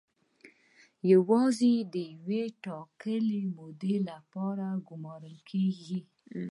یوازې د یوې ټاکلې مودې لپاره ګومارل کیږي.